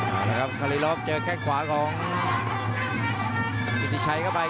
อ๋อแหละครับคอลีรอฟเจอแก้งขวาของกิติชัยเข้าไป